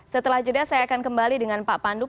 setelah jeda saya akan kembali dengan pak pandu